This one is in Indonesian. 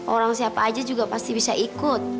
orang siapa aja juga pasti bisa ikut